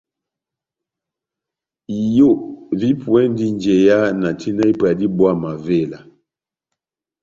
Iyo vipuwɛndi njeya na tina ipwa dibówa mavela.